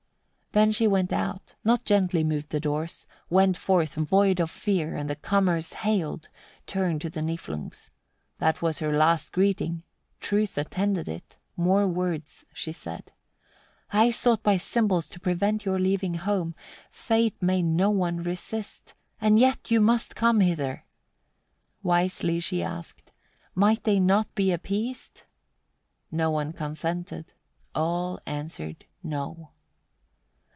45. Then she went out, not gently moved the doors; went forth, void of fear, and the comers hailed, turned to the Niflungs: that was her last greeting, truth attended it; more words she said: 46. "I sought by symbols to prevent your leaving home, fate may no one resist and yet must you come hither." Wisely she asked: might they not be appeased? No one consented, all answered no.